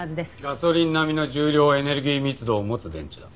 ガソリン並みの重量エネルギー密度を持つ電池だ。